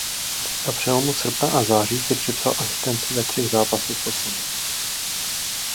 Na přelomu srpna a září si připsal asistenci ve třech zápasech po sobě.